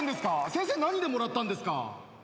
先生何でもらったんですか？